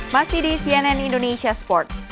masih di cnn indonesia sport